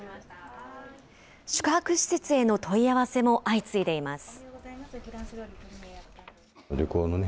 宿泊施設への問い合わせも相次いでいます。